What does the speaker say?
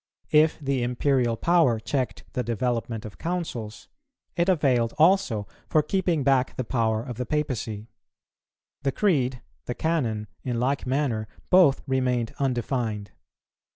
If the Imperial Power checked the development of Councils, it availed also for keeping back the power of the Papacy. The Creed, the Canon, in like manner, both remained undefined.